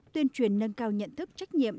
tuyên truyền nâng cao nhận thức trách nhiệm